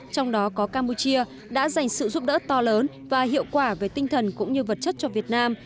trong đó có campuchia đã dành sự giúp đỡ to lớn và hiệu quả về tinh thần cũng như vật chất cho việt nam